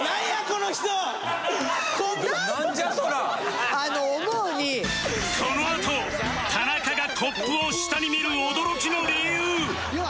このあと田中がコップを下に見る驚きの理由！